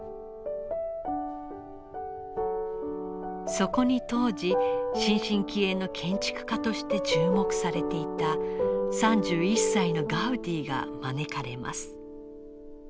そこに当時新進気鋭の建築家として注目されていた３１歳のガウディが招かれます。